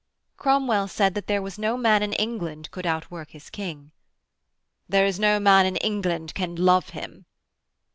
Cromwell said that there was no man in England could outwork his King. 'There is no man in England can love him.'